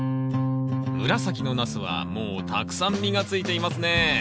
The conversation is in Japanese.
紫のナスはもうたくさん実がついていますね。